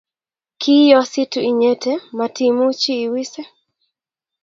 kiiyositu inyete matiimuchi iwise